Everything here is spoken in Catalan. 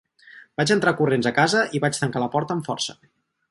Vaig entrar corrents a casa i vaig tancar la porta amb força.